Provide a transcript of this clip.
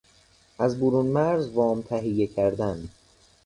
از برونمرز وام تهیه کردن